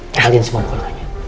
cahalin semua dokternya